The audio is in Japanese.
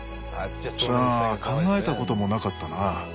さあ考えたこともなかったな。